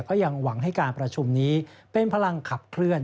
ก็ยังหวังให้การประชุมนี้เป็นพลังขับเคลื่อน